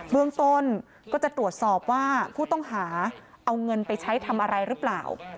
เมืองต้นก็จะตรวจสอบว่าผู้ต้องหาเอาเงินไปใช้ทำอะไรหรือเปล่า